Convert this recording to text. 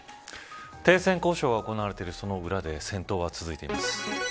停戦交渉が行われているその裏で、戦闘が続いています。